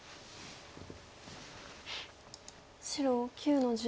白９の十。